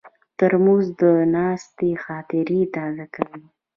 ترموز د ناستې خاطرې تازه کوي.